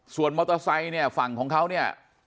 ส่วนมอเตอร์ไซค์เนี่ยฝั่งของเขาเนี่ย